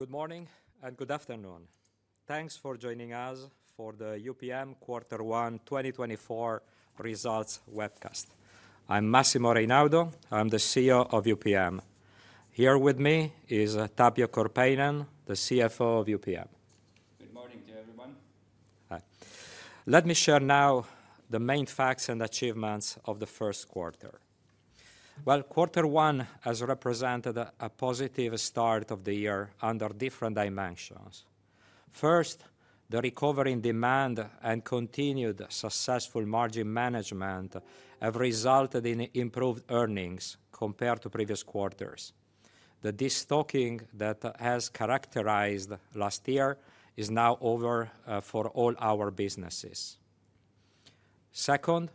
Good morning and good afternoon. Thanks for joining us for the UPM quarter One 2024 results webcast. I'm Massimo Reynaudo. I'm the CEO of UPM. Here with me is Tapio Korpeinen, the CFO of UPM. Good morning to everyone. Hi. Let me share now the main facts and achievements of the first quarter. Well, quarter one has represented a positive start of the year under different dimensions. First, the recovery in demand and continued successful margin management have resulted in improved earnings compared to previous quarters. The destocking that has characterized last year is now over for all our businesses. Second,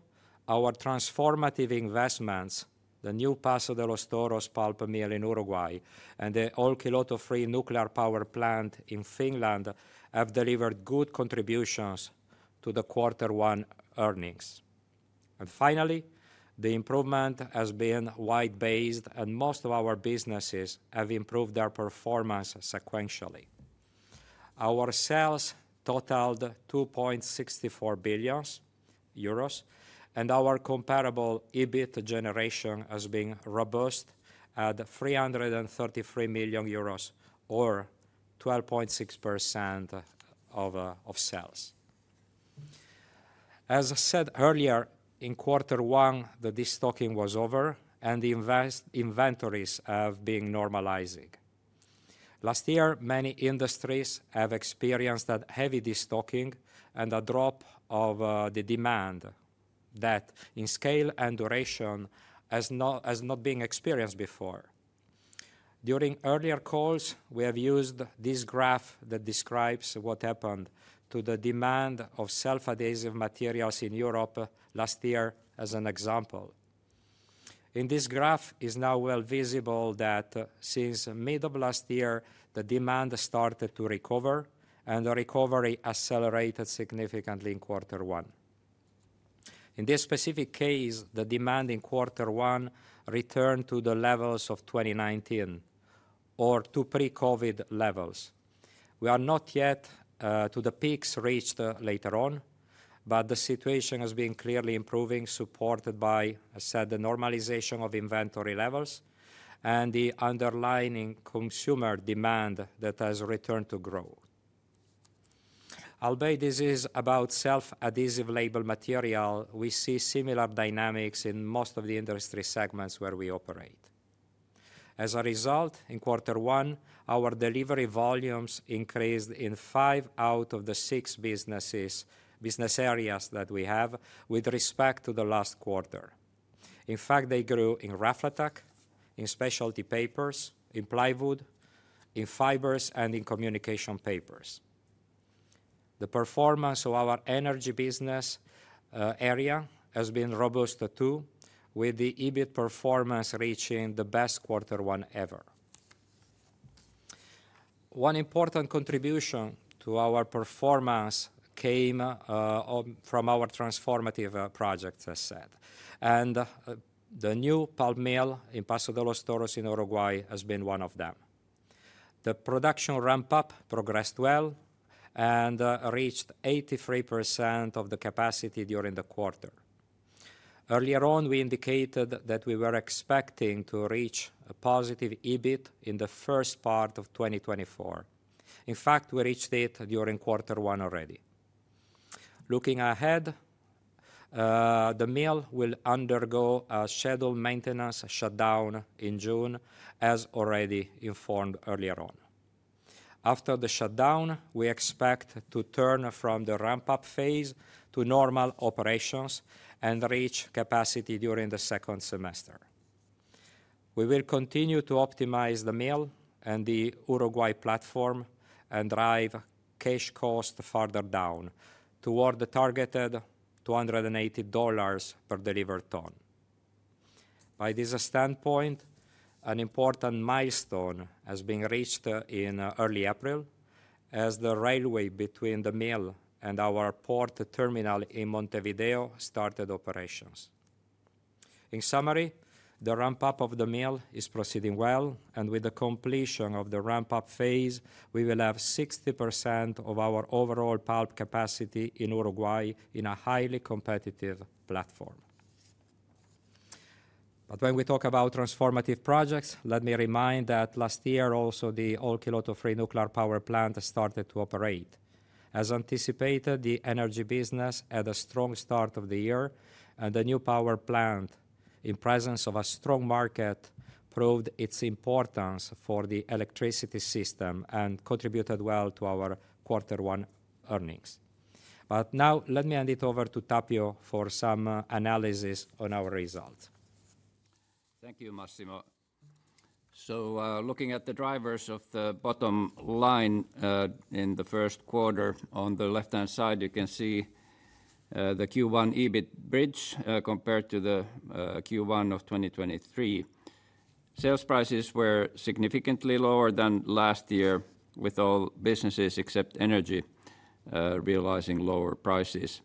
our transformative investments, the new Paso de los Toros pulp mill in Uruguay and the Olkiluoto 3 nuclear power plant in Finland, have delivered good contributions to the quarter one earnings. And finally, the improvement has been wide-based, and most of our businesses have improved their performance sequentially. Our sales totaled 2.64 billion euros, and our Comparable EBIT generation has been robust at 333 million euros or 12.6% of sales. As I said earlier, in quarter one, the destocking was over, and the inventories have been normalizing. Last year, many industries have experienced a heavy destocking and a drop of the demand that in scale and duration has not, has not been experienced before. During earlier calls, we have used this graph that describes what happened to the demand of self-adhesive materials in Europe last year as an example. In this graph, it's now well visible that since mid of last year, the demand started to recover, and the recovery accelerated significantly in quarter one. In this specific case, the demand in quarter one returned to the levels of 2019 or to pre-COVID levels. We are not yet to the peaks reached later on, but the situation has been clearly improving, supported by, as I said, the normalization of inventory levels and the underlying consumer demand that has returned to growth. Albeit this is about self-adhesive label material, we see similar dynamics in most of the industry segments where we operate. As a result, in quarter one, our delivery volumes increased in five out of the six businesses, business areas that we have with respect to the last quarter. In fact, they grew in Raflatac, in Specialty Papers, in Plywood, in Fibres and in Communication Papers. The performance of our energy business area has been robust, too, with the EBIT performance reaching the best quarter one ever. One important contribution to our performance came from our transformative projects, as said, and the new pulp mill in Paso de los Toros in Uruguay has been one of them. The production ramp-up progressed well and reached 83% of the capacity during the quarter. Earlier on, we indicated that we were expecting to reach a positive EBIT in the first part of 2024. In fact, we reached it during quarter one already. Looking ahead, the mill will undergo a scheduled maintenance shutdown in June, as already informed earlier on. After the shutdown, we expect to turn from the ramp-up phase to normal operations and reach capacity during the second semester. We will continue to optimize the mill and the Uruguay platform and drive cash costs further down toward the targeted $280 per delivered ton. By this standpoint, an important milestone has been reached in early April, as the railway between the mill and our port terminal in Montevideo started operations. In summary, the ramp-up of the mill is proceeding well, and with the completion of the ramp-up phase, we will have 60% of our overall pulp capacity in Uruguay in a highly competitive platform. But when we talk about transformative projects, let me remind that last year also, the Olkiluoto 3 nuclear power plant started to operate. As anticipated, the energy business had a strong start of the year, and the new power plant, in presence of a strong market, proved its importance for the electricity system and contributed well to our quarter one earnings. But now let me hand it over to Tapio for some analysis on our results. Thank you, Massimo. So, looking at the drivers of the bottom line, in the first quarter, on the left-hand side, you can see, the Q1 EBIT bridge, compared to the, Q1 of 2023. Sales prices were significantly lower than last year, with all businesses except energy, realizing lower prices.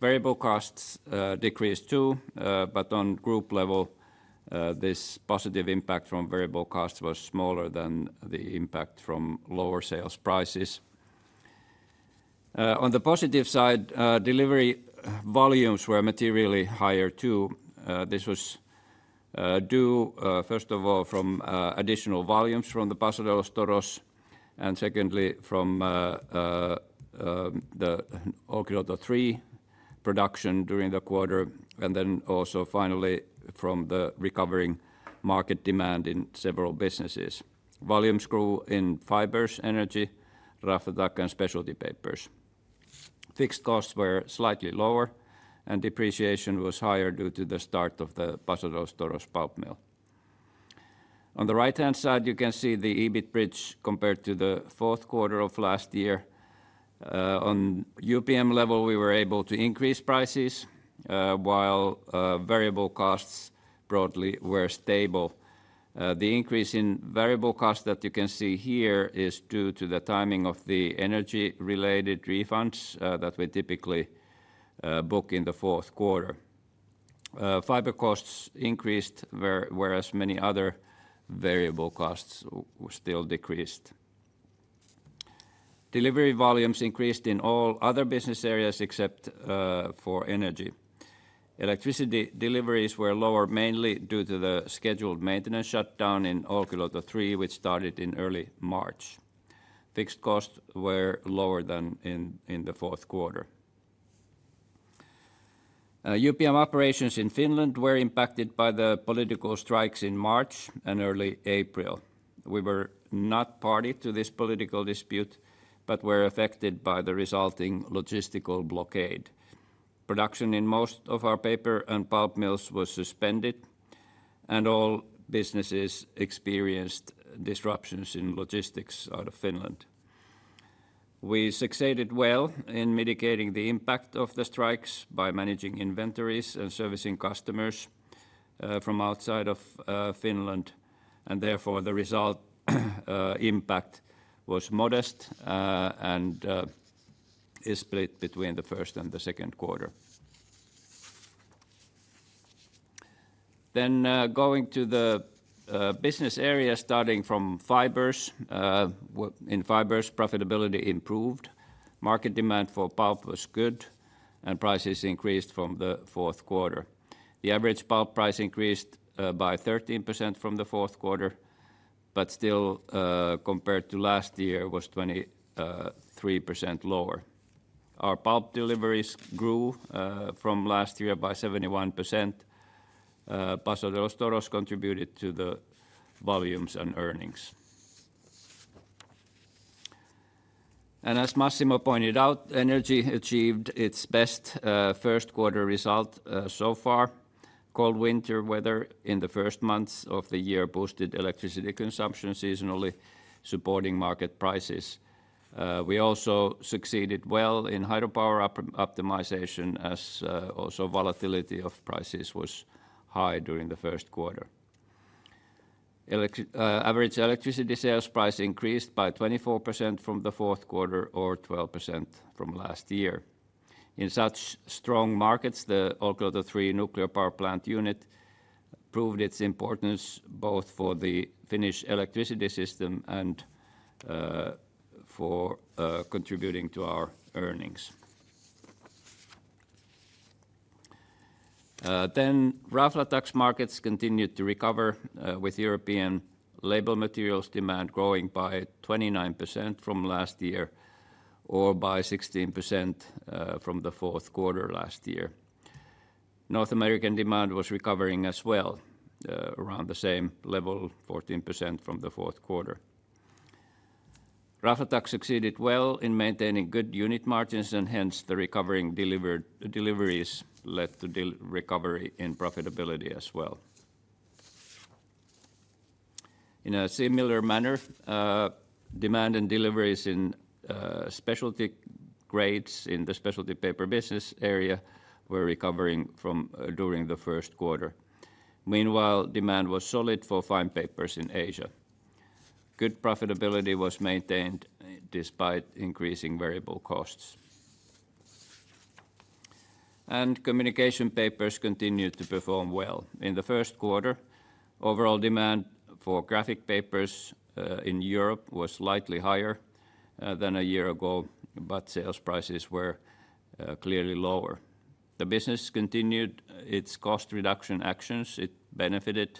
Variable costs, decreased too, but on group level, this positive impact from variable costs was smaller than the impact from lower sales prices. On the positive side, delivery volumes were materially higher, too. This was, due, first of all, from, additional volumes from the Paso de los Toros, and secondly, from, the Olkiluoto 3 production during the quarter, and then also finally, from the recovering market demand in several businesses. Volumes grew in fibers, energy, Raflatac, and specialty papers. Fixed costs were slightly lower, and depreciation was higher due to the start of the Paso de los Toros pulp mill. On the right-hand side, you can see the EBIT bridge compared to the fourth quarter of last year. On UPM level, we were able to increase prices, while variable costs broadly were stable. The increase in variable costs that you can see here is due to the timing of the energy-related refunds that we typically book in the fourth quarter. Fiber costs increased, whereas many other variable costs still decreased. Delivery volumes increased in all other business areas except for energy. Electricity deliveries were lower, mainly due to the scheduled maintenance shutdown in Olkiluoto 3, which started in early March. Fixed costs were lower than in the fourth quarter. UPM operations in Finland were impacted by the political strikes in March and early April. We were not party to this political dispute, but were affected by the resulting logistical blockade. Production in most of our paper and pulp mills was suspended, and all businesses experienced disruptions in logistics out of Finland. We succeeded well in mitigating the impact of the strikes by managing inventories and servicing customers from outside of Finland, and therefore, the result impact was modest and is split between the first and the second quarter. Then, going to the business area, starting from fibers. In fibers, profitability improved, market demand for pulp was good, and prices increased from the fourth quarter. The average pulp price increased by 13% from the fourth quarter, but still, compared to last year, was 23% lower. Our pulp deliveries grew from last year by 71%. Paso de los Toros contributed to the volumes and earnings. And as Massimo pointed out, energy achieved its best first quarter result so far. Cold winter weather in the first months of the year boosted electricity consumption seasonally, supporting market prices. We also succeeded well in hydropower optimization as also volatility of prices was high during the first quarter. Average electricity sales price increased by 24% from the fourth quarter, or 12% from last year. In such strong markets, the Olkiluoto 3 nuclear power plant unit proved its importance, both for the Finnish electricity system and for contributing to our earnings. Then Raflatac's markets continued to recover, with European label materials demand growing by 29% from last year, or by 16%, from the fourth quarter last year. North American demand was recovering as well, around the same level, 14% from the fourth quarter. Raflatac succeeded well in maintaining good unit margins, and hence, the recovering deliveries led to recovery in profitability as well. In a similar manner, demand and deliveries in specialty grades in the specialty paper business area were recovering during the first quarter. Meanwhile, demand was solid for fine papers in Asia. Good profitability was maintained despite increasing variable costs. Communication papers continued to perform well. In the first quarter, overall demand for graphic papers in Europe was slightly higher than a year ago, but sales prices were clearly lower. The business continued its cost reduction actions. It benefited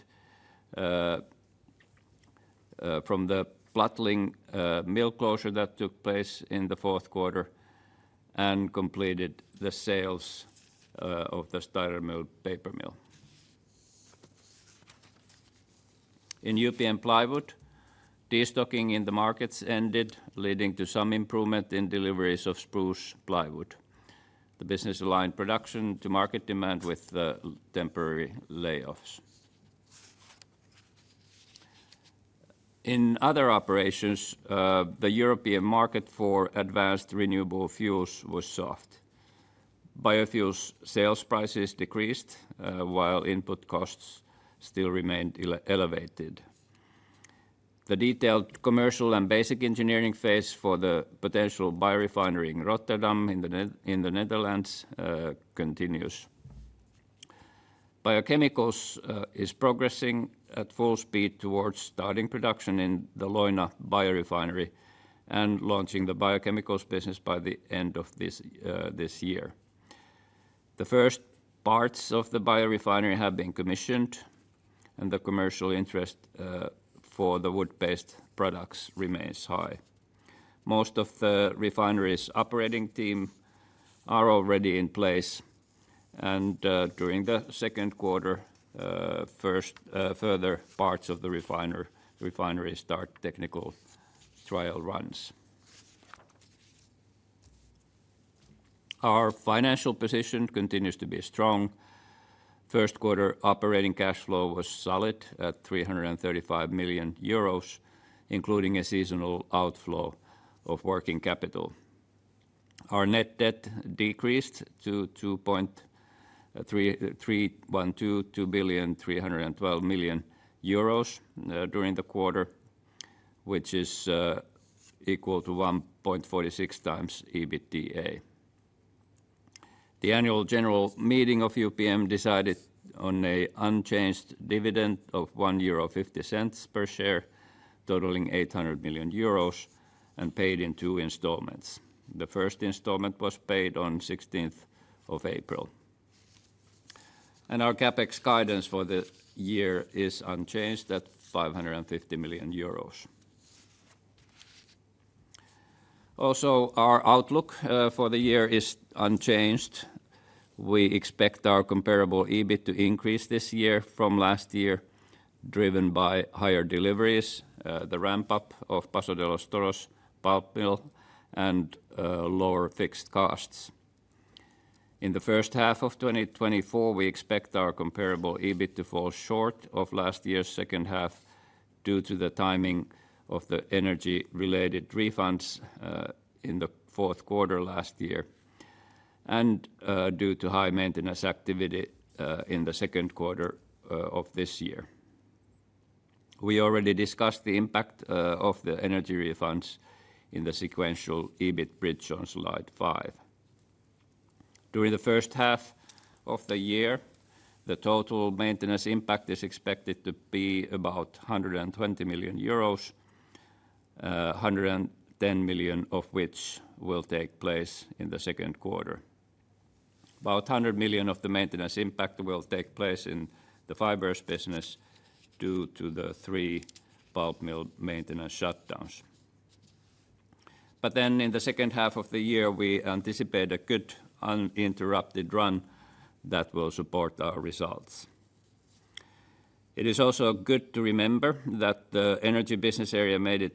from the Plattling mill closure that took place in the fourth quarter, and completed the sales of the Steyrermühl paper mill. In UPM Plywood, destocking in the markets ended, leading to some improvement in deliveries of spruce plywood. The business aligned production to market demand with temporary layoffs. In other operations, the European market for advanced renewable fuels was soft. Biofuels sales prices decreased while input costs still remained elevated. The detailed commercial and basic engineering phase for the potential biorefinery in Rotterdam, in the Netherlands, continues. Biochemicals is progressing at full speed towards starting production in the Leuna biorefinery and launching the biochemicals business by the end of this year. The first parts of the biorefinery have been commissioned, and the commercial interest for the wood-based products remains high. Most of the refinery's operating team are already in place, and during the second quarter, first further parts of the refinery start technical trial runs. Our financial position continues to be strong. First quarter operating cash flow was solid at 335 million euros, including a seasonal outflow of working capital. Our net debt decreased to 2.312 billion during the quarter, which is equal to 1.46x EBITDA. The annual general meeting of UPM decided on an unchanged dividend of 1.50 euro per share, totaling 800 million euros and paid in two installments. The first installment was paid on 16th of April. Our CapEx guidance for the year is unchanged at 550 million euros. Also, our outlook for the year is unchanged. We expect our comparable EBIT to increase this year from last year, driven by higher deliveries, the ramp-up of Paso de los Toros pulp mill, and lower fixed costs. In the first half of 2024, we expect our comparable EBIT to fall short of last year's second half due to the timing of the energy-related refunds in the fourth quarter last year, and due to high maintenance activity in the second quarter of this year. We already discussed the impact of the energy refunds in the sequential EBIT bridge on slide five. During the first half of the year, the total maintenance impact is expected to be about 120 million euros, 110 of which will take place in the second quarter. About 100 million of the maintenance impact will take place in the fibers business due to the three pulp mill maintenance shutdowns. But then in the second half of the year, we anticipate a good, uninterrupted run that will support our results. It is also good to remember that the energy business area made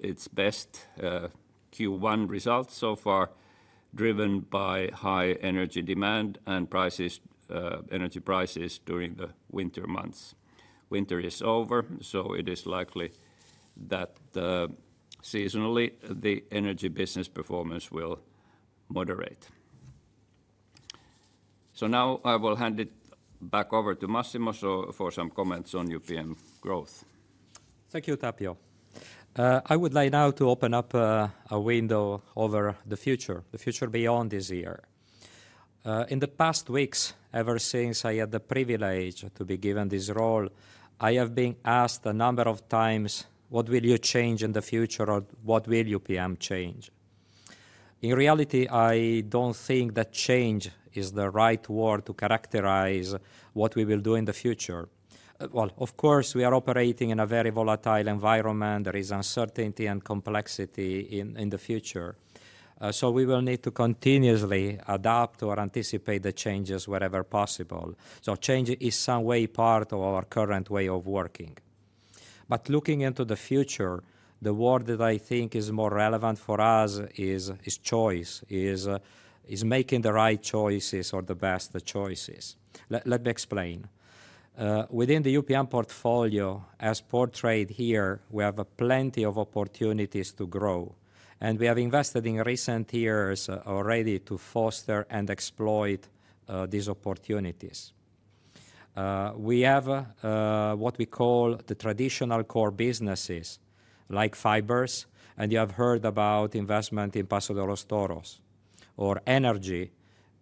its best Q1 results so far, driven by high energy demand and prices, energy prices during the winter months. Winter is over, so it is likely that, seasonally, the energy business performance will moderate. So now I will hand it back over to Massimo so for some comments on UPM growth. Thank you, Tapio. I would like now to open up a window over the future, the future beyond this year. In the past weeks, ever since I had the privilege to be given this role, I have been asked a number of times: What will you change in the future, or what will UPM change? In reality, I don't think that change is the right word to characterize what we will do in the future. Well, of course, we are operating in a very volatile environment. There is uncertainty and complexity in, in the future, so we will need to continuously adapt or anticipate the changes wherever possible. So change is some way part of our current way of working. But looking into the future, the word that I think is more relevant for us is choice, making the right choices or the best choices. Let me explain. Within the UPM portfolio, as portrayed here, we have plenty of opportunities to grow, and we have invested in recent years already to foster and exploit these opportunities. We have what we call the traditional core businesses, like fibers, and you have heard about investment in Paso de los Toros, or energy,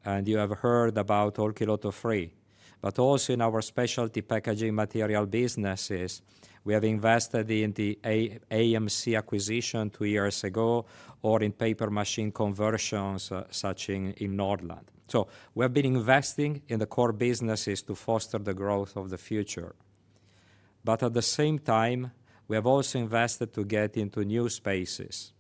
and you have heard about Olkiluoto 3. But also in our specialty packaging material businesses, we have invested in the AMC acquisition two years ago or in paper machine conversions, such in Nordland. So we have been investing in the core businesses to foster the growth of the future. But at the same time, we have also invested to get into new spaces.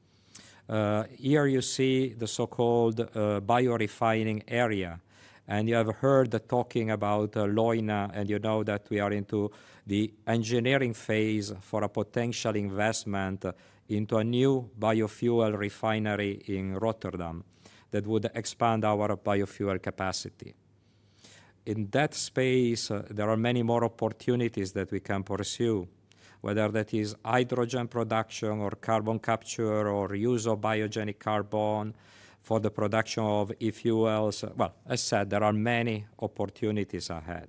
Here you see the so-called biorefining area, and you have heard the talking about Leuna, and you know that we are into the engineering phase for a potential investment into a new biofuel refinery in Rotterdam that would expand our biofuel capacity. In that space, there are many more opportunities that we can pursue, whether that is hydrogen production or carbon capture or use of biogenic carbon for the production of e-fuels. Well, as said, there are many opportunities ahead.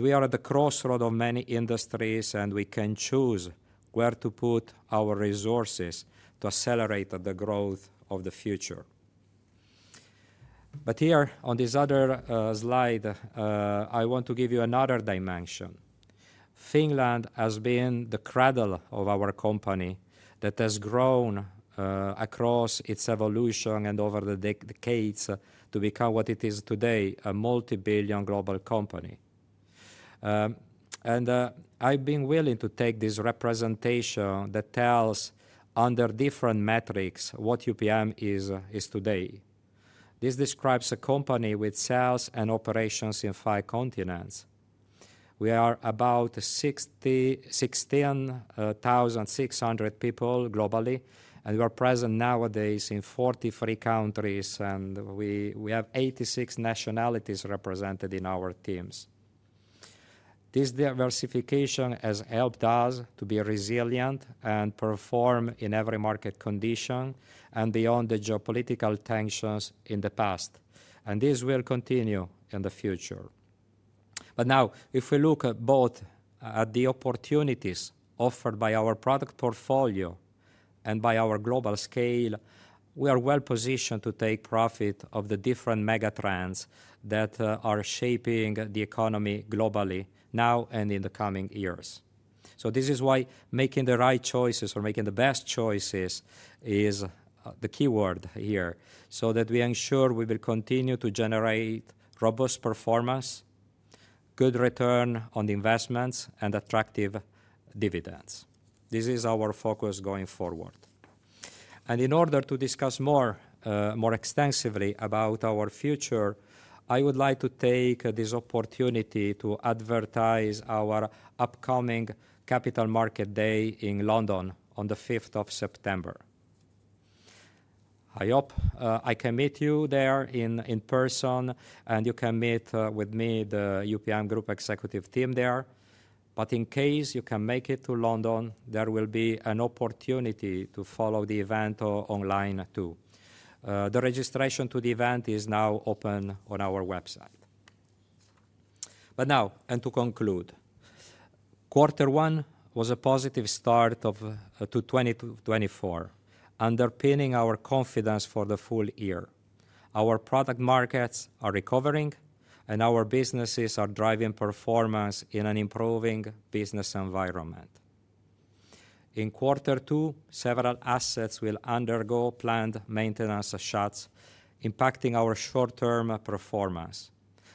We are at the crossroads of many industries, and we can choose where to put our resources to accelerate the growth of the future. But here, on this other slide, I want to give you another dimension. Finland has been the cradle of our company that has grown across its evolution and over the decades to become what it is today, a multi-billion global company. I've been willing to take this representation that tells under different metrics what UPM is today. This describes a company with sales and operations in 5 continents. We are about 16,600 people globally, and we are present nowadays in 43 countries, and we have 86 nationalities represented in our teams. This diversification has helped us to be resilient and perform in every market condition and beyond the geopolitical tensions in the past, and this will continue in the future. But now, if we look at both, at the opportunities offered by our product portfolio and by our global scale, we are well positioned to take profit of the different mega trends that are shaping the economy globally now and in the coming years. So this is why making the right choices or making the best choices is the key word here, so that we ensure we will continue to generate robust performance, good return on the investments, and attractive dividends. This is our focus going forward. In order to discuss more extensively about our future, I would like to take this opportunity to advertise our upcoming Capital Market Day in London on the 5th of September. I hope I can meet you there in person, and you can meet with me, the UPM Group executive team there. But in case you can't make it to London, there will be an opportunity to follow the event online, too. The registration to the event is now open on our website. But now, and to conclude, quarter one was a positive start to 2024, underpinning our confidence for the full year. Our product markets are recovering, and our businesses are driving performance in an improving business environment. In quarter two, several assets will undergo planned maintenance shuts, impacting our short-term performance.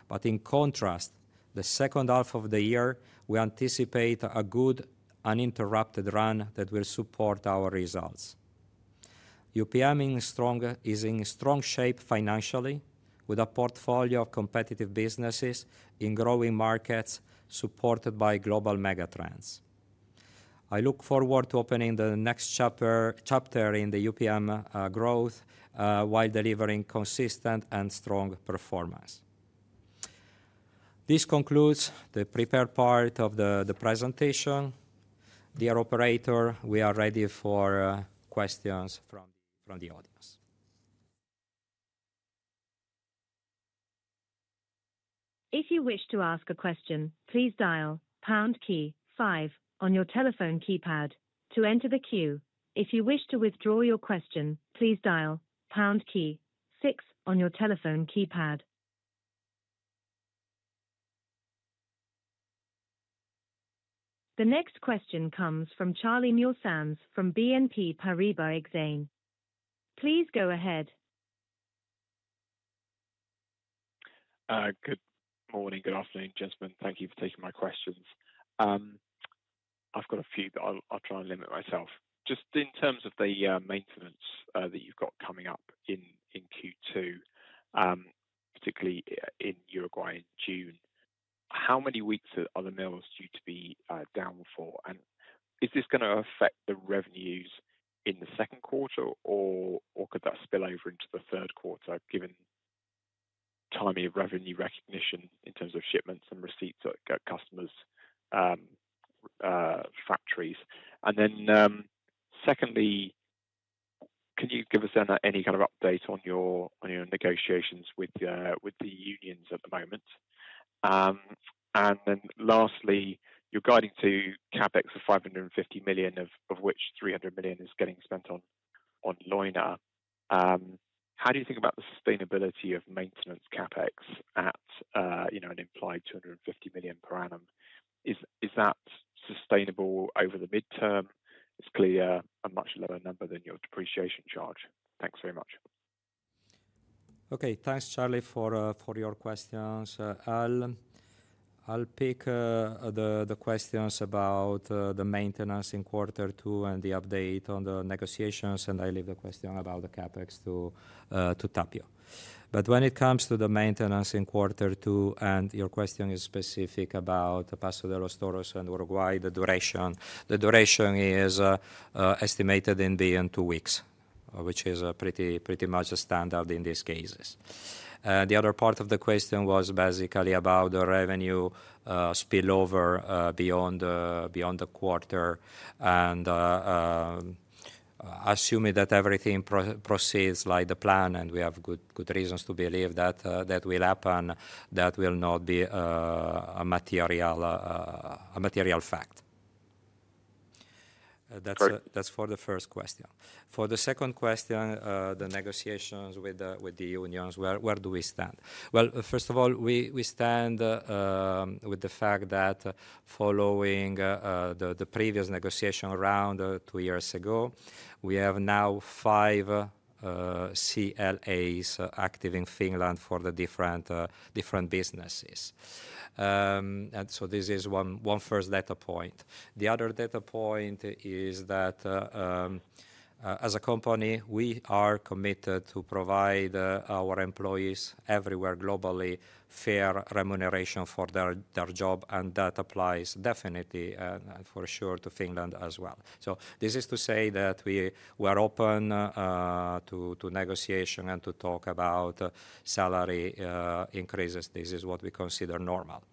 But in contrast, the second half of the year, we anticipate a good, uninterrupted run that will support our results. UPM is in strong shape financially, with a portfolio of competitive businesses in growing markets, supported by global mega trends. I look forward to opening the next chapter in the UPM growth while delivering consistent and strong performance. This concludes the prepared part of the presentation. Dear Operator, we are ready for questions from the audience. If you wish to ask a question, please dial pound key five on your telephone keypad to enter the queue. If you wish to withdraw your question, please dial pound key six on your telephone keypad. The next question comes from Charlie Muir-Sands from BNP Paribas Exane. Please go ahead. Good morning, good afternoon, gentlemen. Thank you for taking my questions. I've got a few, but I'll try and limit myself. Just in terms of the maintenance that you've got coming up in Q2, particularly in Uruguay in June, how many weeks are the mills due to be down for? And is this gonna affect the revenues in the second quarter or could that spill over into the third quarter, given timing of revenue recognition in terms of shipments and receipts at customers' factories? And then, secondly, could you give us then any kind of update on your negotiations with the unions at the moment? And then lastly, you're guiding to CapEx of 550 million, of which 300 million is getting spent on Leuna. How do you think about the sustainability of maintenance CapEx at, you know, an implied 250 million per annum? Is that sustainable over the midterm? It's clearly a much lower number than your depreciation charge. Thanks very much. Okay. Thanks, Charlie, for your questions. I'll pick the questions about the maintenance in quarter two and the update on the negotiations, and I leave the question about the CapEx to Tapio. But when it comes to the maintenance in quarter two, and your question is specific about the Paso de los Toros in Uruguay, the duration. The duration is estimated in two weeks, which is pretty much standard in these cases. The other part of the question was basically about the revenue spillover beyond the quarter. And assuming that everything proceeds like the plan, and we have good reasons to believe that that will happen, that will not be a material fact. Great. That's for the first question. For the second question, the negotiations with the unions, where do we stand? Well, first of all, we stand with the fact that following the previous negotiation around two years ago, we have now five CLAs active in Finland for the different businesses. So this is one first data point. The other data point is that, as a company, we are committed to provide our employees everywhere globally fair remuneration for their job, and that applies definitely, for sure, to Finland as well. So this is to say that we were open to negotiation and to talk about salary increases. This is what we consider normal.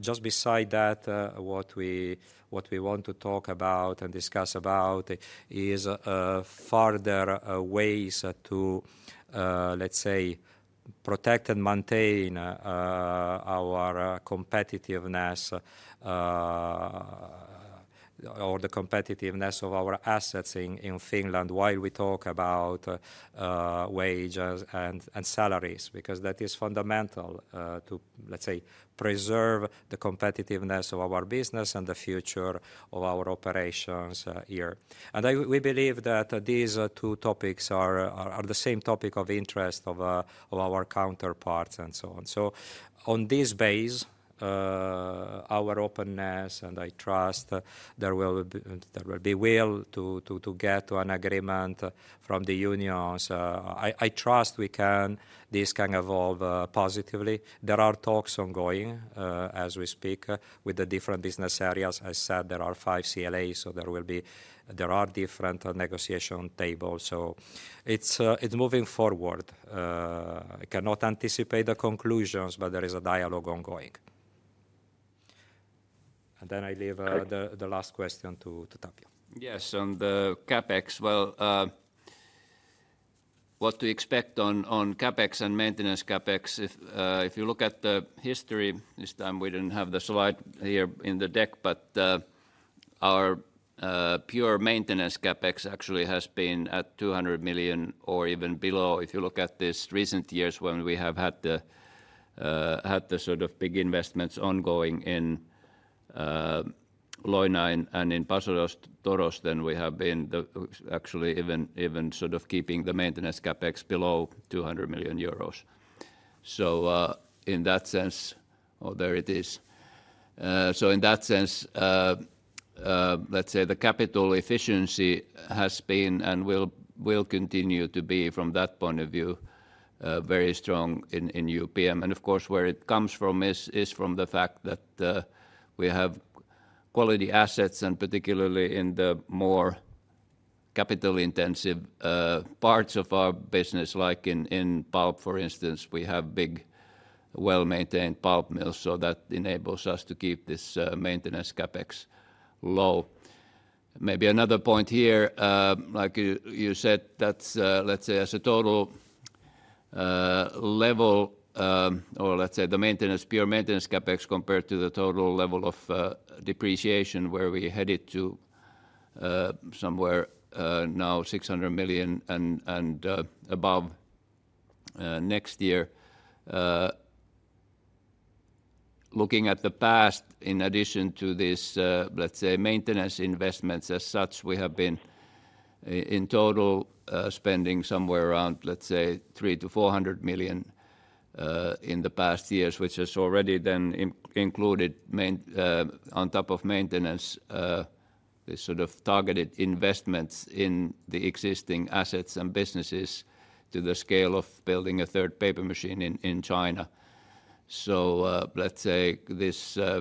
Just beside that, what we, what we want to talk about and discuss about is further ways to, let's say, protect and maintain our competitiveness, or the competitiveness of our assets in, in Finland, while we talk about wages and, and salaries. Because that is fundamental to, let's say, preserve the competitiveness of our business and the future of our operations here. And I—we believe that these two topics are, are the same topic of interest of, of our counterparts and so on. So on this base, our openness, and I trust there will be, there will be will to, to, to get to an agreement from the unions. I, I trust we can—this can evolve positively. There are talks ongoing, as we speak, with the different business areas. I said there are five CLAs, so there will be... There are different negotiation tables, so it's moving forward. I cannot anticipate the conclusions, but there is a dialogue ongoing. And then I leave. Great tThe last question to Tapio. Yes, on the CapEx. Well, what to expect on CapEx and maintenance CapEx? If you look at the history, this time, we didn't have the slide here in the deck, but our pure maintenance CapEx actually has been at 200 million or even below. If you look at these recent years when we have had the sort of big investments ongoing in Leuna and in Paso de los Toros, then we have been actually even sort of keeping the maintenance CapEx below 200 million euros. So, in that sense. Oh, there it is. So in that sense, let's say the capital efficiency has been and will continue to be, from that point of view, very strong in UPM. And of course, where it comes from is from the fact that we have quality assets, and particularly in the more capital-intensive parts of our business, like in pulp for instance, we have big, well-maintained pulp mills, so that enables us to keep this maintenance CapEx low. Maybe another point here, like you said, that's let's say, as a total level, or let's say the maintenance, pure maintenance CapEx compared to the total level of depreciation, where we're headed to somewhere now 600 million and above next year. Looking at the past, in addition to this, let's say, maintenance investments as such, we have been in total, spending somewhere around, let's say, 300 million-400 million, in the past years, which has already then included mainly, on top of maintenance, this sort of targeted investments in the existing assets and businesses to the scale of building a third paper machine in China. So, let's say, this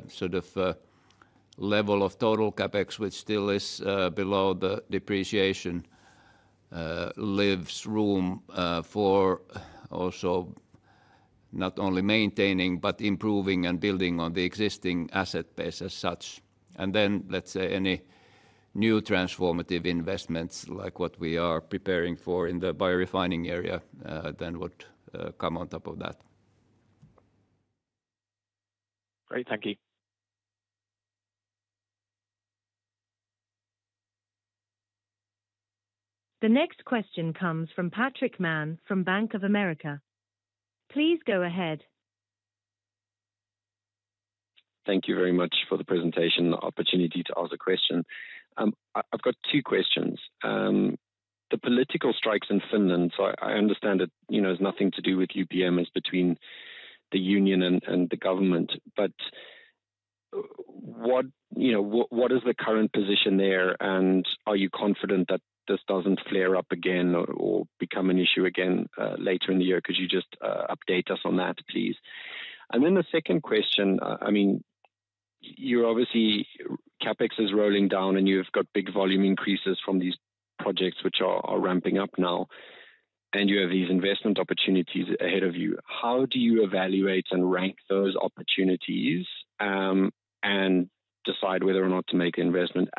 sort of level of total CapEx, which still is below the depreciation, leaves room for also not only maintaining, but improving and building on the existing asset base as such. And then, let's say any new transformative investments, like what we are preparing for in the biorefining area, then would come on top of that. Great. Thank you. The next question comes from Patrick Mann, from Bank of America. Please go ahead. Thank you very much for the presentation and the opportunity to ask a question. I've got two questions. The political strikes in Finland, so I understand that, you know, it's nothing to do with UPM. It's between the union and the government, but what, you know, is the current position there, and are you confident that this doesn't flare up again or become an issue again later in the year? Could you just update us on that, please? And then the second question, I mean, you're obviously CapEx is rolling down, and you've got big volume increases from these projects, which are ramping up now, and you have these investment opportunities ahead of you. How do you evaluate and rank those opportunities and decide whether or not to make investment?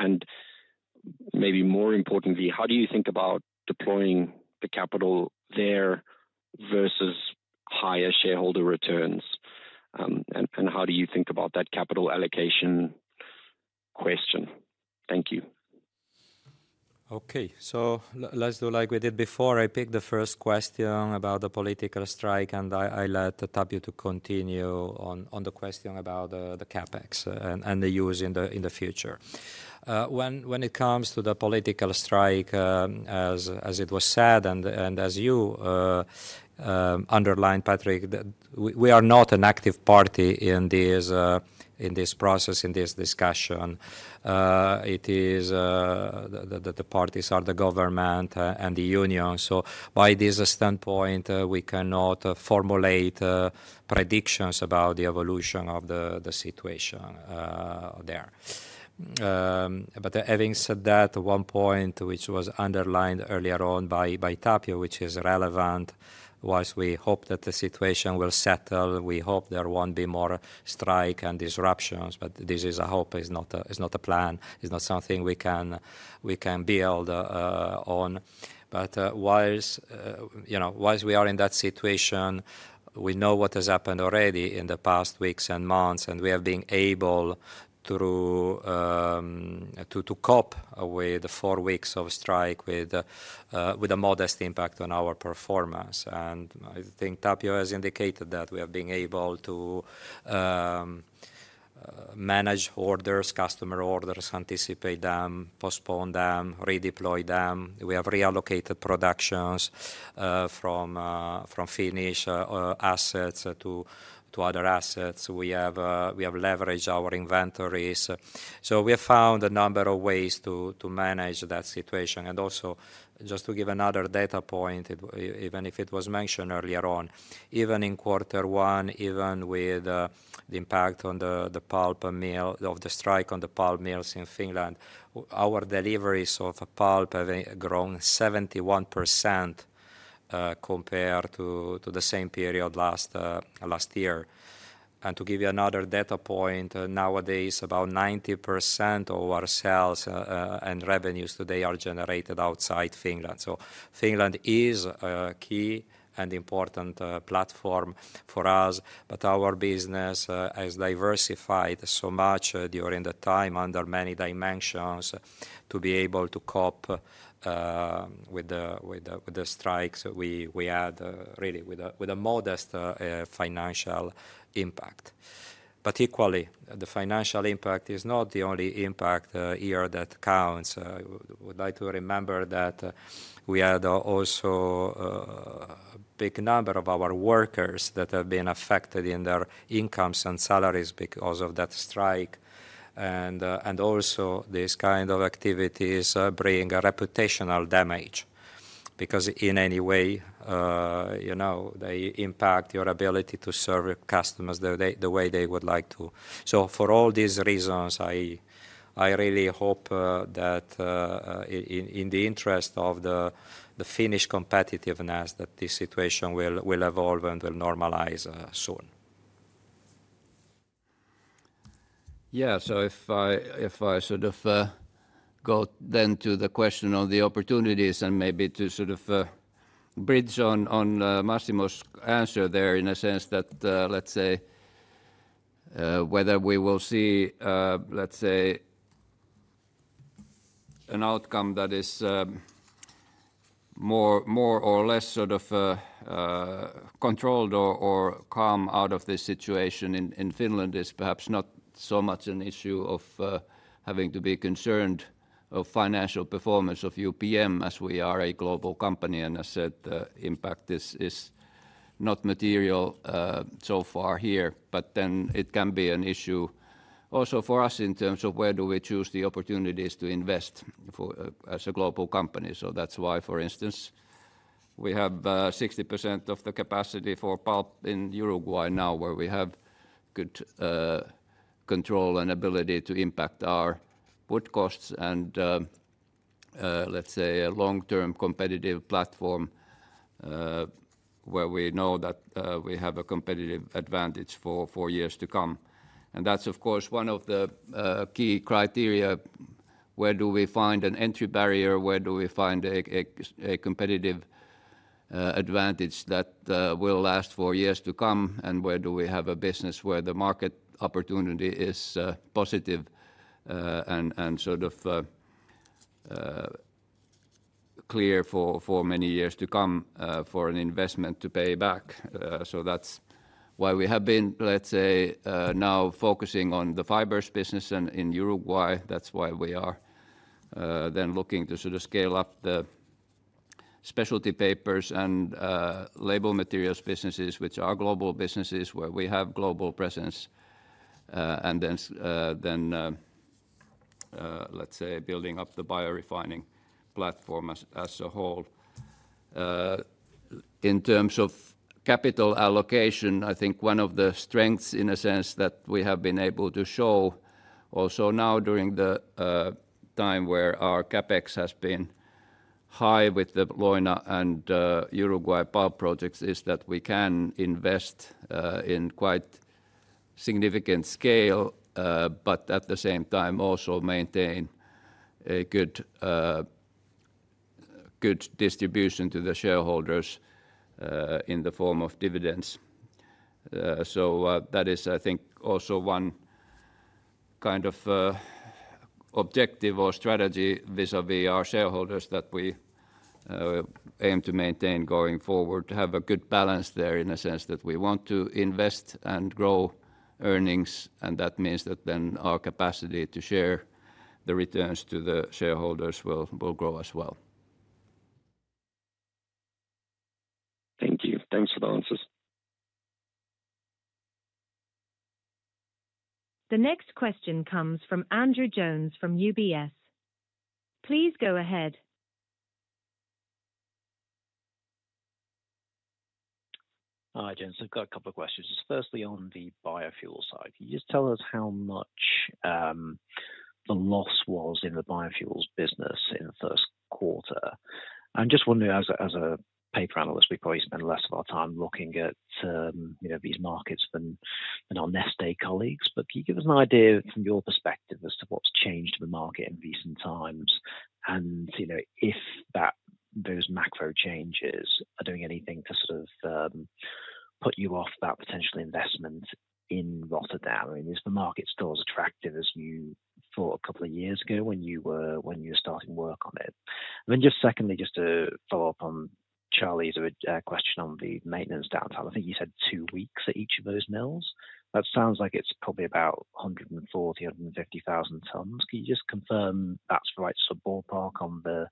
Maybe more importantly, how do you think about deploying the capital there versus higher shareholder returns? And how do you think about that capital allocation question? Thank you. Okay. So let's do like we did before. I pick the first question about the political strike, and I let Tapio continue on the question about the CapEx and the use in the future. When it comes to the political strike, as it was said, and as you underlined, Patrick, that we are not an active party in this process, in this discussion. It is the parties are the government and the unions. So by this standpoint, we cannot formulate predictions about the evolution of the situation there. But having said that, one point which was underlined earlier on by Tapio, which is relevant, was we hope that the situation will settle. We hope there won't be more strike and disruptions, but this is a hope, is not a plan, is not something we can build on. But while, you know, while we are in that situation, we know what has happened already in the past weeks and months, and we have been able to cope with the four weeks of strike with a modest impact on our performance. And I think Tapio has indicated that we have been able to manage orders, customer orders, anticipate them, postpone them, redeploy them. We have reallocated productions from Finnish assets to other assets. We have leveraged our inventories. So we have found a number of ways to manage that situation. Also, just to give another data point, even if it was mentioned earlier on, even in quarter one, even with the impact on the pulp mills of the strike on the pulp mills in Finland, our deliveries of pulp have grown 71%, compared to the same period last year. To give you another data point, nowadays, about 90% of our sales and revenues today are generated outside Finland. So Finland is a key and important platform for us, but our business has diversified so much during the time under many dimensions, to be able to cope with the strikes we had really with a modest financial impact. But equally, the financial impact is not the only impact here that counts. We would like to remember that we had also a big number of our workers that have been affected in their incomes and salaries because of that strike. And also these kind of activities bring a reputational damage, because in any way, you know, they impact your ability to serve your customers the way, the way they would like to. So for all these reasons, I really hope that in the interest of the Finnish competitiveness, that this situation will evolve and will normalize soon. Yeah. So if I, if I sort of go then to the question on the opportunities and maybe to sort of bridge on, on Massimo's answer there, in a sense that, let's say, whether we will see, let's say, an outcome that is more, more or less sort of controlled or, or calm out of this situation in Finland is perhaps not so much an issue of having to be concerned of financial performance of UPM as we are a global company. And I said impact is, is not material so far here, but then it can be an issue also for us in terms of where do we choose the opportunities to invest for as a global company. So that's why, for instance, we have 60% of the capacity for pulp in Uruguay now, where we have good control and ability to impact our wood costs and, let's say, a long-term competitive platform, where we know that we have a competitive advantage for years to come. And that's, of course, one of the key criteria: Where do we find an entry barrier? Where do we find a competitive advantage that will last for years to come? And where do we have a business where the market opportunity is positive and sort of clear for many years to come, for an investment to pay back? So that's why we have been, let's say, now focusing on the fibers business and in Uruguay. That's why we are then looking to sort of scale up the specialty papers and label materials businesses, which are global businesses, where we have global presence and then let's say building up the biorefining platform as a whole. In terms of capital allocation, I think one of the strengths in a sense that we have been able to show also now during the time where our CapEx has been high with the Leuna and Uruguay power projects is that we can invest in quite significant scale but at the same time also maintain a good distribution to the shareholders in the form of dividends. So that is, I think, also one kind of objective or strategy vis-à-vis our shareholders, that we aim to maintain going forward. To have a good balance there in a sense that we want to invest and grow earnings, and that means that then our capacity to share the returns to the shareholders will, will grow as well. Thank you. Thanks for the answers. The next question comes from Andrew Jones from UBS. Please go ahead. Hi, gents. I've got a couple of questions. Firstly, on the biofuel side, can you just tell us how much the loss was in the biofuels business in the first quarter? I'm just wondering, as a paper analyst, we probably spend less of our time looking at, you know, these markets than our Neste colleagues. But can you give us an idea from your perspective as to what's changed in the market in recent times? And, you know, if that-those macro changes are doing anything to sort of put you off that potential investment in Rotterdam. I mean, is the market still as attractive as you thought a couple of years ago when you were starting work on it? And then just secondly, just to follow up on Charlie's question on the maintenance downtime. I think you said two weeks at each of those mills. That sounds like it's probably about 140,000-150,000 tons. Can you just confirm if that's the right sort of ballpark on the,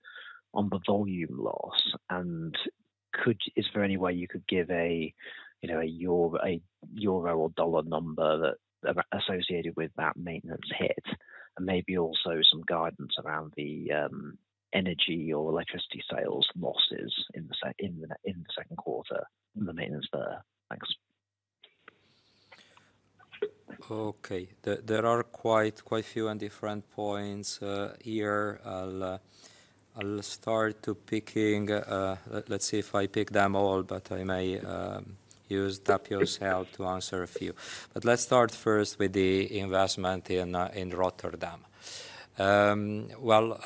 on the volume loss? And could... Is there any way you could give a, you know, a euro or dollar number that, associated with that maintenance hit, and maybe also some guidance around the, energy or electricity sales losses in the second quarter, in the maintenance there? Thanks. Okay. There are quite a few and different points here. I'll start to picking, let's see if I pick them all, but I may use Tapio's help to answer a few. But let's start first with the investment in in Rotterdam. Well,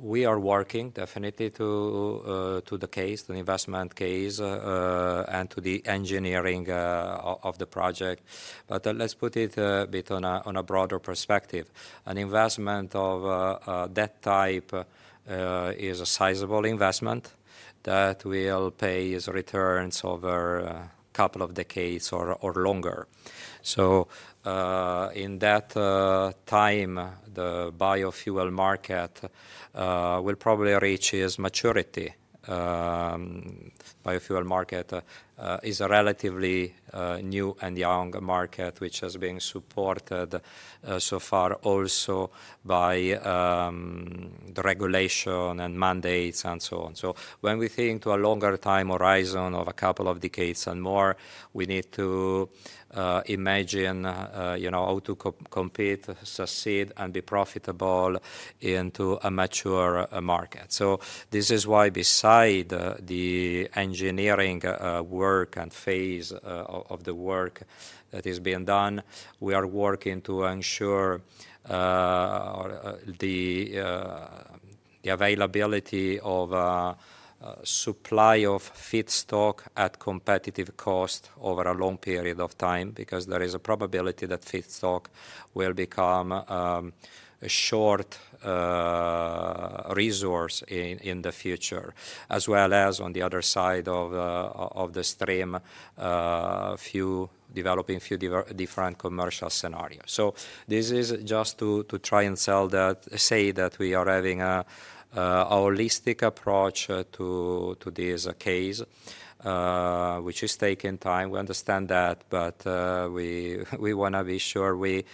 we are working definitely to the case, the investment case, and to the engineering of the project. But let's put it a bit on a broader perspective. An investment of that type is a sizable investment that will pay its returns over a couple of decades or longer. So, in that time, the biofuel market will probably reach its maturity. Biofuel market is a relatively new and young market, which has been supported so far also by the regulation and mandates and so on. So when we think to a longer time horizon of a couple of decades and more, we need to imagine you know how to compete, succeed, and be profitable into a mature market. So this is why, beside the engineering work and phase of the work that is being done, we are working to ensure the availability of supply of feedstock at competitive cost over a long period of time, because there is a probability that feedstock will become a short resource in the future, as well as on the other side of the stream, developing different commercial scenarios. So this is just to try and sell that, say that we are having a holistic approach to this case, which is taking time. We understand that, but we want to be sure we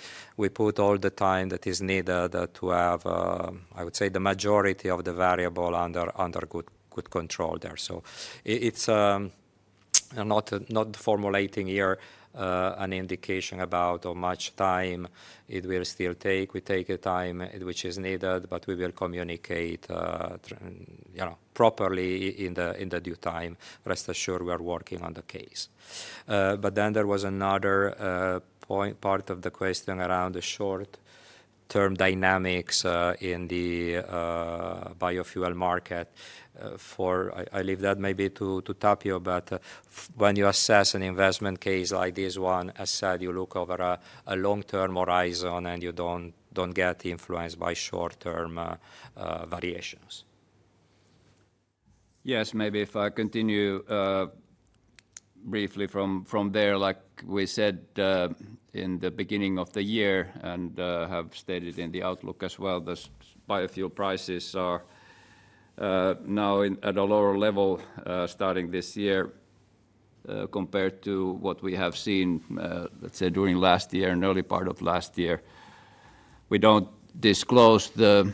put all the time that is needed to have, I would say, the majority of the variable under good control there. So it's. I'm not formulating here an indication about how much time it will still take. We take a time which is needed, but we will communicate, you know, properly in the due time. Rest assured, we are working on the case. But then there was another point, part of the question around the short-term dynamics in the biofuel market. I leave that maybe to Tapio, but when you assess an investment case like this one, as said, you look over a long-term horizon and you don't get influenced by short-term variations. Yes, maybe if I continue briefly from there. Like we said in the beginning of the year and have stated in the outlook as well, the biofuel prices are now at a lower level starting this year compared to what we have seen, let's say, during last year and early part of last year... We don't disclose the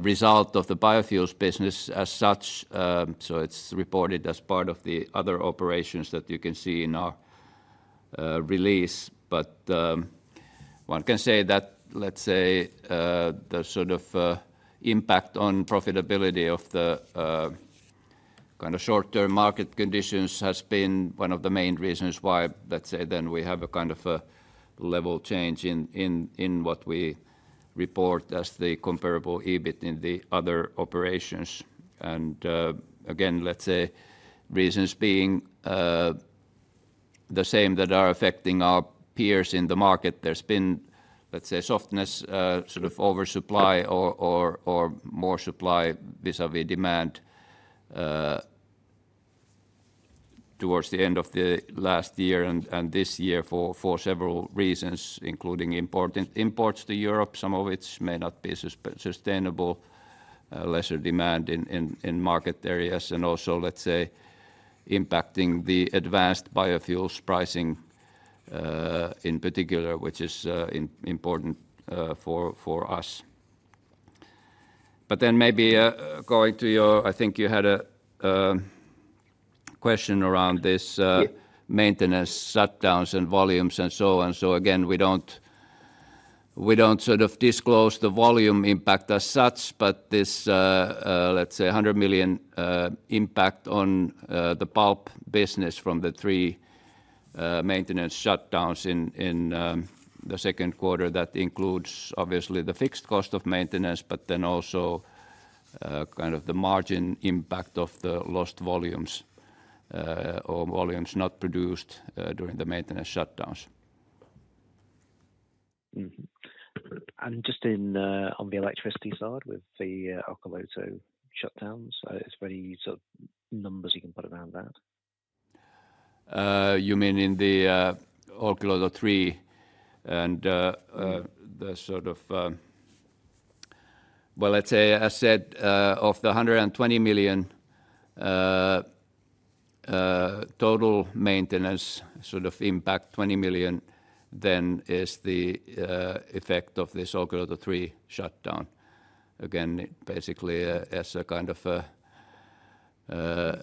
result of the biofuels business as such. So it's reported as part of the other operations that you can see in our release. But one can say that, let's say, the sort of impact on profitability of the kind of short-term market conditions has been one of the main reasons why, let's say then, we have a kind of a level change in what we report as the comparable EBIT in the other operations. Again, let's say reasons being, the same that are affecting our peers in the market. There's been, let's say, softness, sort of oversupply or more supply vis-à-vis demand, towards the end of the last year and this year for several reasons, including important imports to Europe, some of which may not be sustainable, lesser demand in market areas, and also, let's say, impacting the advanced biofuels pricing, in particular, which is important, for us. But then maybe, going to your—I think you had a question around this. Yeah aintenance shutdowns and volumes and so on. So again, we don't, we don't sort of disclose the volume impact as such, but this, let's say, 100 million impact on the pulp business from the three maintenance shutdowns in the second quarter, that includes obviously the fixed cost of maintenance, but then also kind of the margin impact of the lost volumes or volumes not produced during the maintenance shutdowns. Mm-hmm. And just in, on the electricity side, with the Olkiluoto shutdowns, is there any sort of numbers you can put around that? You mean in the Olkiluoto 3 and the sort of... Well, let's say I said of the 120 million total maintenance sort of impact, 20 million then is the effect of this Olkiluoto 3 shutdown. Again, basically, as a kind of a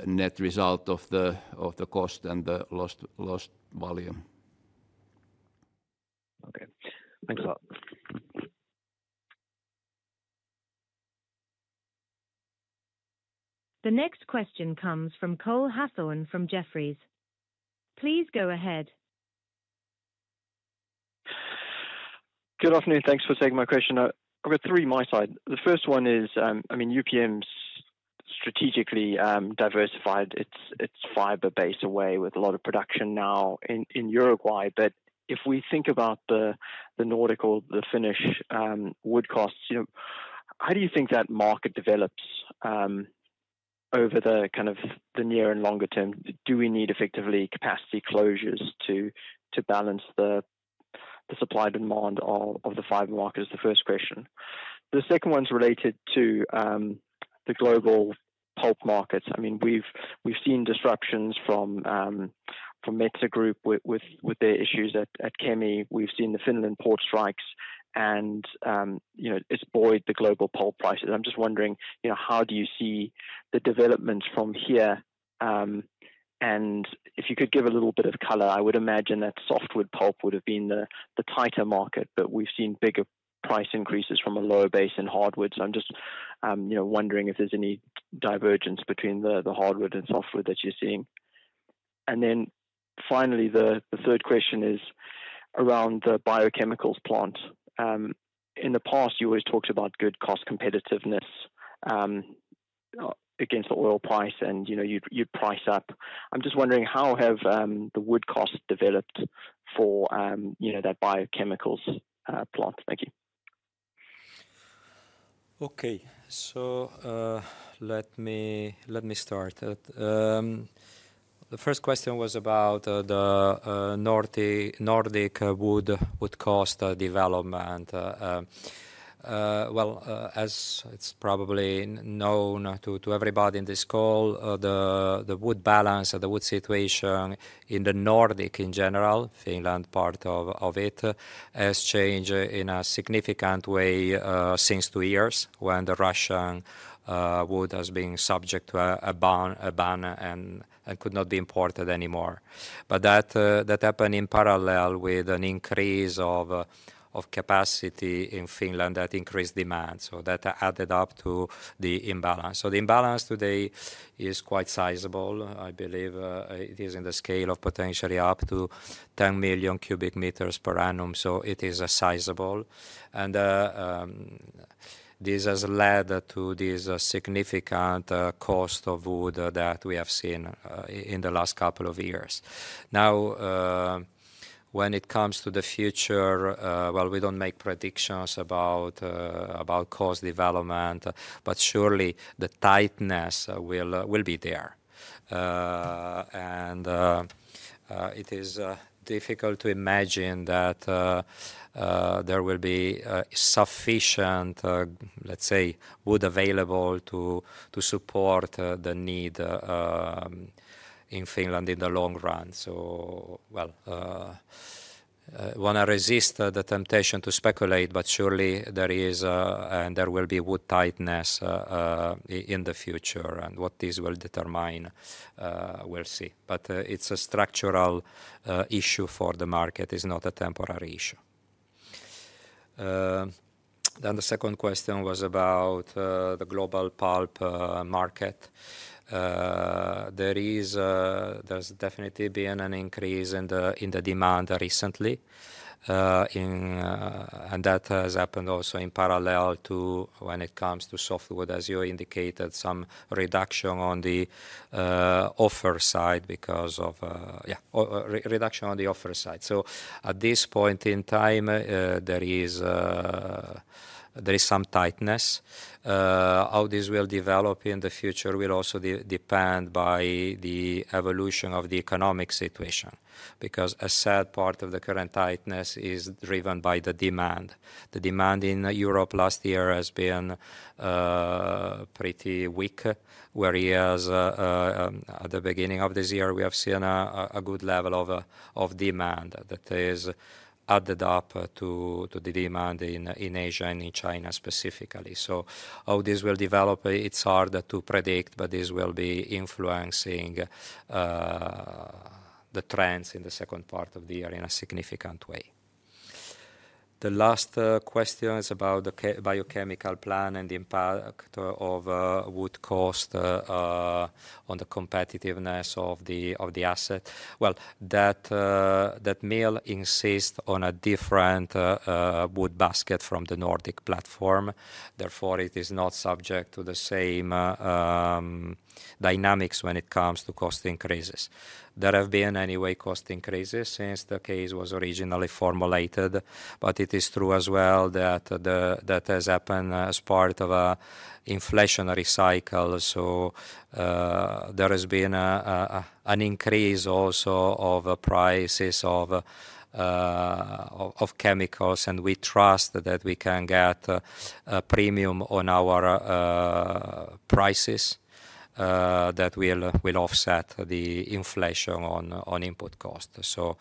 net result of the cost and the lost, lost volume. Okay. Thanks a lot. The next question comes from Cole Hathorn from Jefferies. Please go ahead. Good afternoon. Thanks for taking my question. I've got three on my side. The first one is, I mean, UPM's strategically diversified its fiber base away with a lot of production now in Uruguay. But if we think about the Nordic, the Finnish wood costs, you know, how do you think that market develops over the kind of the near and longer term? Do we need effectively capacity closures to balance the supply-demand of the fiber markets? The first question. The second one's related to the global pulp markets. I mean, we've seen disruptions from Metsä Group with their issues at Kemi. We've seen the Finnish port strikes, and you know, it's buoyed the global pulp prices. I'm just wondering, you know, how do you see the developments from here? And if you could give a little bit of color, I would imagine that softwood pulp would have been the tighter market, but we've seen bigger price increases from a lower base in hardwoods. So I'm just, you know, wondering if there's any divergence between the hardwood and softwood that you're seeing. And then finally, the third question is around the biochemicals plant. In the past, you always talked about good cost competitiveness against the oil price, and, you know, you'd price up. I'm just wondering, how have the wood costs developed for, you know, that biochemicals plant? Thank you. Okay. So, let me start. The first question was about the Nordic wood cost development. Well, as it's probably known to everybody in this call, the wood balance or the wood situation in the Nordic in general, Finland, part of it, has changed in a significant way since two years, when the Russian wood has been subject to a ban and could not be imported anymore. But that happened in parallel with an increase of capacity in Finland that increased demand, so that added up to the imbalance. So the imbalance today is quite sizable. I believe it is in the scale of potentially up to 10 million cubic metres per annum, so it is sizable. This has led to this significant cost of wood that we have seen in the last couple of years. Now, when it comes to the future, well, we don't make predictions about cost development, but surely the tightness will be there. And it is difficult to imagine that there will be sufficient, let's say, wood available to support the need in Finland in the long run. So, well, when I resist the temptation to speculate, but surely there is and there will be wood tightness in the future, and what this will determine, we'll see. But it's a structural issue for the market. It's not a temporary issue. Then the second question was about the global pulp market. There is, there's definitely been an increase in the demand recently. And that has happened also in parallel to when it comes to softwood, as you indicated, some reduction on the offer side because of yeah, reduction on the offer side. So at this point in time, there is some tightness. How this will develop in the future will also depend on the evolution of the economic situation. Because as a part of the current tightness is driven by the demand. The demand in Europe last year has been pretty weak, whereas at the beginning of this year, we have seen a good level of demand that is added up to the demand in Asia and in China specifically. So how this will develop, it's harder to predict, but this will be influencing the trends in the second part of the year in a significant way. The last question is about the biochemical plant and the impact of wood cost on the competitiveness of the asset. Well, that mill insists on a different wood basket from the Nordic platform. Therefore, it is not subject to the same dynamics when it comes to cost increases. There have been, anyway, cost increases since the case was originally formulated, but it is true as well that has happened as part of an inflationary cycle. There has been an increase also of prices of chemicals, and we trust that we can get a premium on our prices that will offset the inflation on input costs. So,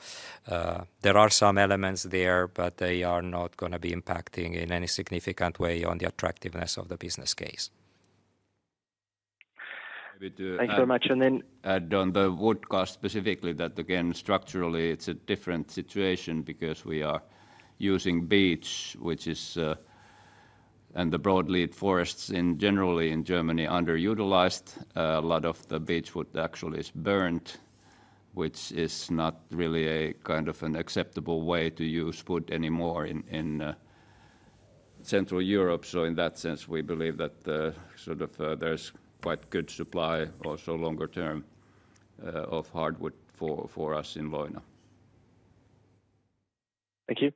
there are some elements there, but they are not gonna be impacting in any significant way on the attractiveness of the business case. Thank you very much. And then- Add on the wood cost, specifically, that again, structurally it's a different situation because we are using beech, which is, and the broadleaf forests generally in Germany underutilized. A lot of the beechwood actually is burned, which is not really a kind of an acceptable way to use wood anymore in Central Europe. So in that sense, we believe that sort of there's quite good supply, also longer term, of hardwood for us in Leuna. Thank you.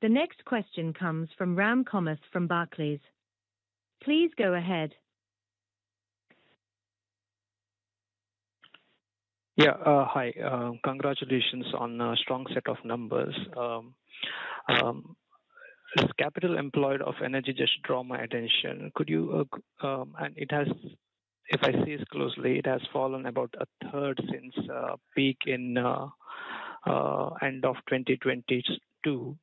The next question comes from Ram Kamath from Barclays. Please go ahead. Yeah. Hi. Congratulations on a strong set of numbers. Capital employed of energy just drew my attention. Could you, and it has. If I see it closely, it has fallen about a third since peak in end of 2022. So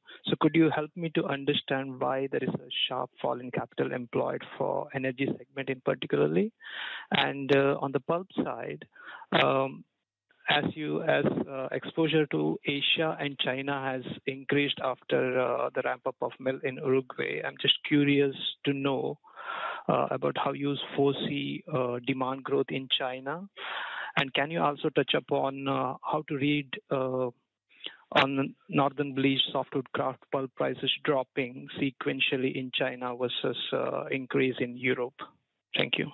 could you help me to understand why there is a sharp fall in capital employed for energy segment in particular? And on the pulp side, as exposure to Asia and China has increased after the ramp-up of mill in Uruguay, I'm just curious to know about how you foresee demand growth in China. And can you also touch upon how to read on Northern Bleached Softwood Kraft pulp prices dropping sequentially in China versus increase in Europe? Thank you.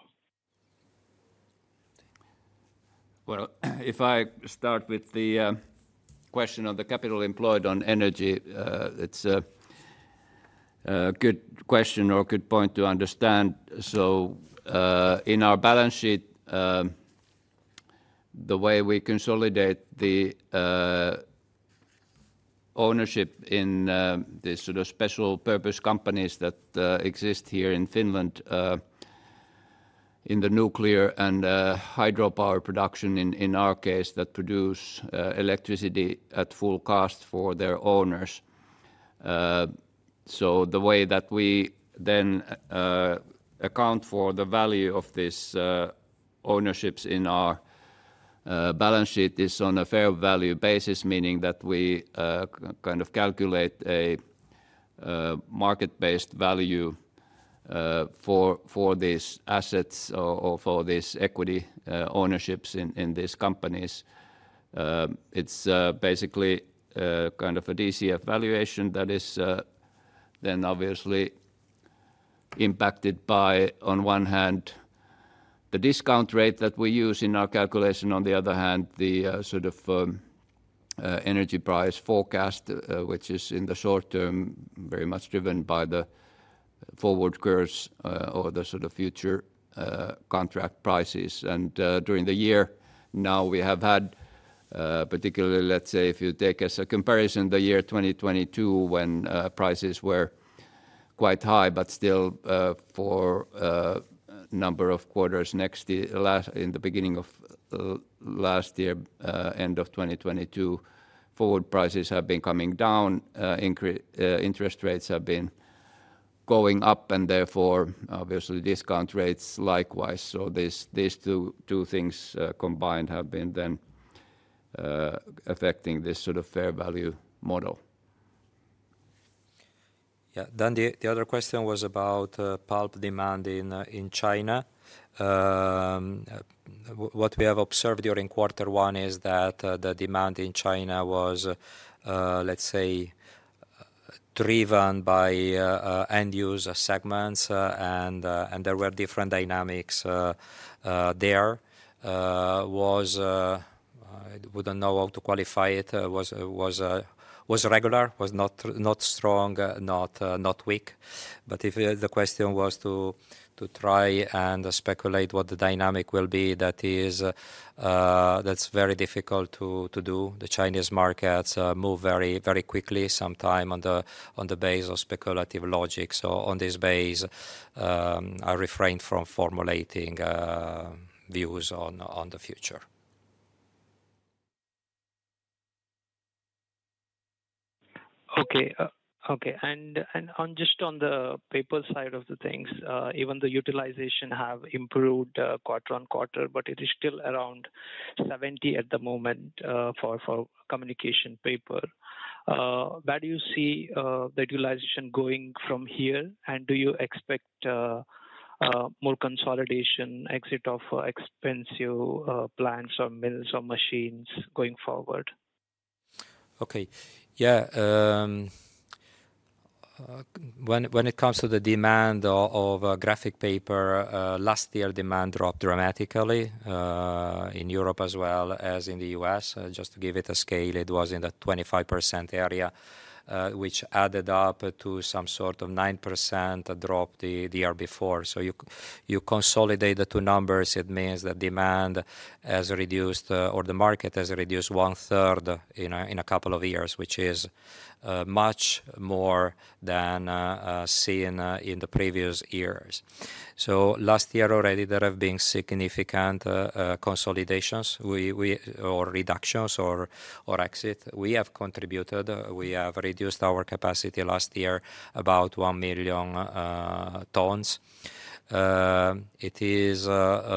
Well, if I start with the question on the capital employed on energy, it's a good question or a good point to understand. So, in our balance sheet, the way we consolidate the ownership in the sort of special purpose companies that exist here in Finland, in the nuclear and hydropower production in our case, that produce electricity at full cost for their owners. So the way that we then account for the value of this ownerships in our balance sheet is on a fair value basis, meaning that we kind of calculate a market-based value for these assets or for these equity ownerships in these companies. It's basically kind of a DCF valuation that is then obviously impacted by, on one hand, the discount rate that we use in our calculation, on the other hand, the sort of energy price forecast, which is in the short-term, very much driven by the forward curves, or the sort of future contract prices. And during the year, now we have had particularly, let's say, if you take as a comparison, the year 2022, when prices were quite high, but still for number of quarters next year. Last, in the beginning of last year, end of 2022, forward prices have been coming down, interest rates have been going up, and therefore, obviously, discount rates likewise. So these two things combined have been then affecting this sort of fair value model. Yeah. Then the other question was about pulp demand in China. What we have observed during quarter one is that the demand in China was, let's say, driven by end user segments, and there were different dynamics there. I wouldn't know how to qualify it. It was regular, not strong, not weak. But if the question was to try and speculate what the dynamic will be, that is, that's very difficult to do. The Chinese markets move very quickly, sometimes on the basis of speculative logic. So on this basis, I refrained from formulating views on the future. Okay. Okay, and on just the paper side of things, even the utilization have improved quarter-on-quarter, but it is still around 70 at the moment for communication paper. Where do you see the utilization going from here? And do you expect more consolidation, exit of expensive plants or mills or machines going forward? Okay. Yeah, when it comes to the demand of graphic paper, last year demand dropped dramatically in Europe as well as in the U.S. Just to give it a scale, it was in the 25% area, which added up to some sort of 9% drop the year before. So you consolidate the two numbers, it means that demand has reduced, or the market has reduced one third in a couple of years, which is much more than seen in the previous years. So last year already, there have been significant consolidations. We... Or reductions or exit. We have contributed. We have reduced our capacity last year, about 1,000,000 tons. It is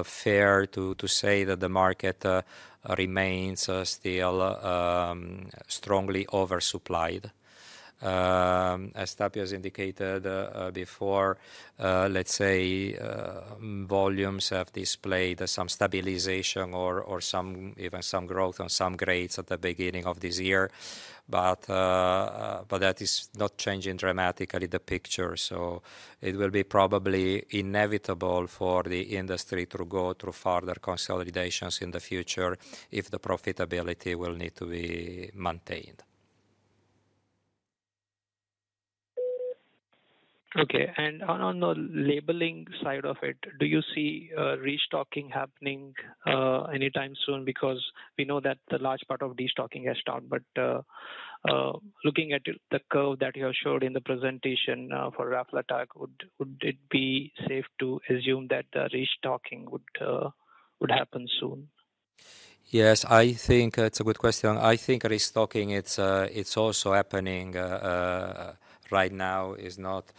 fair to say that the market remains still strongly oversupplied. As Tapio has indicated before, let's say, volumes have displayed some stabilization or some even some growth on some grades at the beginning of this year, but that is not changing dramatically the picture. So it will be probably inevitable for the industry to go through further consolidations in the future if the profitability will need to be maintained. Okay, and on the labeling side of it, do you see restocking happening anytime soon? Because we know that the large part of destocking has stopped, but looking at the curve that you have showed in the presentation for Raflatac, would it be safe to assume that the restocking would happen soon? Yes, I think that's a good question. I think restocking, it's also happening right now, is not...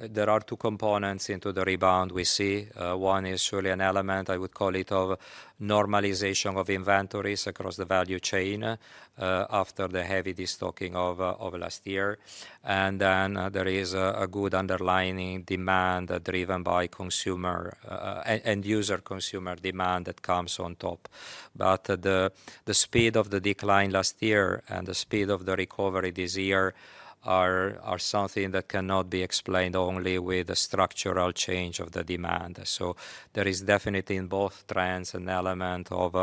There are two components into the rebound we see. One is surely an element, I would call it, of normalization of inventories across the value chain, after the heavy destocking of last year. And then there is a good underlying demand driven by consumer end-user consumer demand that comes on top. But the speed of the decline last year and the speed of the recovery this year are something that cannot be explained only with the structural change of the demand. So there is definitely in both trends, an element of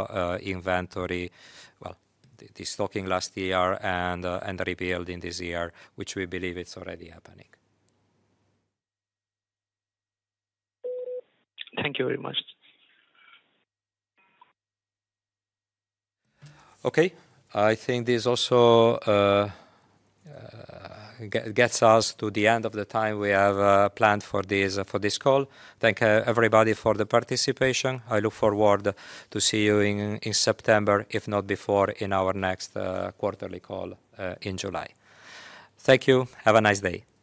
inventory, well, the destocking last year and the rebuild in this year, which we believe it's already happening. Thank you very much. Okay. I think this also gets us to the end of the time we have planned for this for this call. Thank everybody for the participation. I look forward to see you in September, if not before, in our next quarterly call in July. Thank you. Have a nice day.